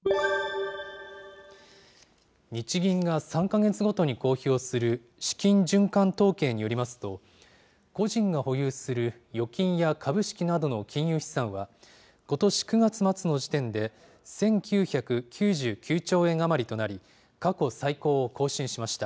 日銀が３か月ごとに公表する資金循環統計によりますと、個人が保有する預金や株式などの金融資産は、ことし９月末の時点で１９９９兆円余りとなり、過去最高を更新しました。